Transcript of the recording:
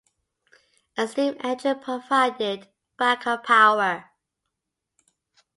A steam engine provided backup power.